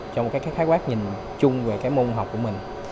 trong các khái quát nhìn chung về môn học của mình